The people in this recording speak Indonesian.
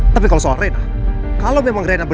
taman karimun parmae